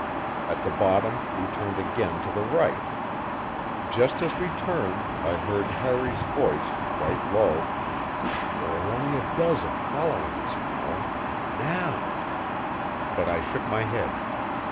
At the bottom we turned again to the right. Just as we turned I heard Harry's voice, quite low: "There are only a dozen following us, Paul. Now " But I shook my head.